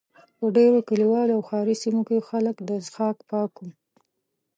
په ډېرو کلیوالو او ښاري سیمو کې خلک د څښاک پاکو.